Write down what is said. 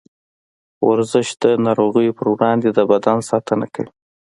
ورزش د نارغيو پر وړاندې د بدن ساتنه کوي.